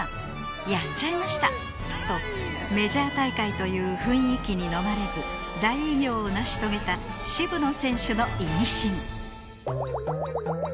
「やっちゃいました」とメジャー大会という雰囲気にのまれず大偉業を成し遂げた渋野選手のイミシン